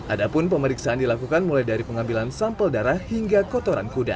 adapun pemeriksaan dilakukan mulai dari pengambilan sampel darah hingga kotoran kuda